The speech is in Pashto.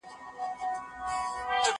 هغه وويل چي پلان جوړول مهم دي